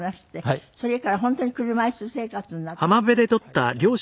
それから本当に車椅子生活になったんですって？